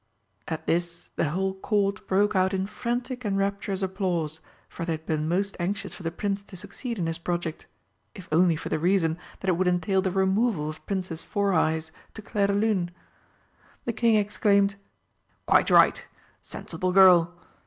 At this the whole Court broke out in frantic and rapturous applause, for they had been most anxious for the Prince to succeed in his project if only for the reason that it would entail the removal of Princess "Four eyes" to Clairdelune. The King exclaimed, "Quite right! Sensible girl!"